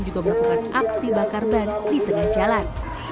juga melakukan aksi bakar ban di tengah jalan